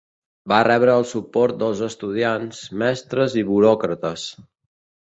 Va rebre el suport dels estudiants, mestres i buròcrates.